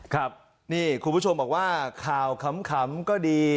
ครับนี่คุณผู้ชมบอกว่าข่าวขำก็ดี